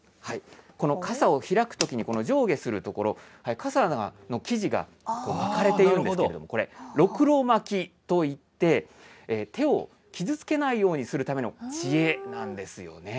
この傘を開くときに、この上下する所、傘の生地が巻かれているんですけれども、これ、ロクロ巻きといって、手を傷つけないようにするための知恵なんですよね。